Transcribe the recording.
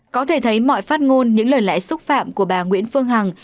có thể thấy mọi phát ngôn những lời lẽ xúc phạm của bà nguyễn phương hằng